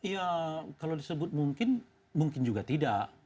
ya kalau disebut mungkin mungkin juga tidak